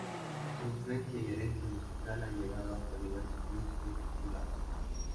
Su influencia y herencia musical ha llegado hasta diversos músicos populares.